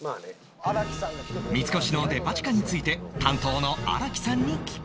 三越のデパ地下について担当の荒木さんに聞く